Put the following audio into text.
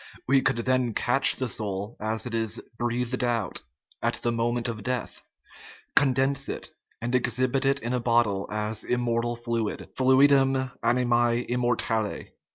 We could then catch the soul as it is " breathed out " at the moment of death, condense it, and exhibit it in a bottle as "immortal fluid " (Fluidum animae immortale).